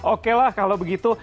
oke lah kalau begitu